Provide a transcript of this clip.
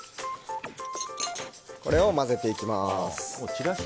これを混ぜていきます。